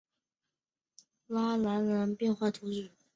拉兰德人口变化图示